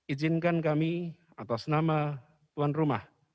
izinkan kami atas nama tuan rumah